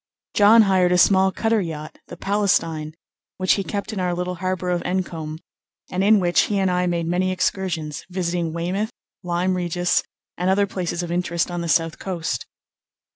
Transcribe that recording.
John hired a small cutter yacht, the Palestine, which he kept in our little harbour of Encombe, and in which he and I made many excursions, visiting Weymouth, Lyme Regis, and other places of interest on the south coast.